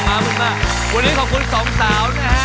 วันนี้ขอบคุณ๒สาวนะฮะ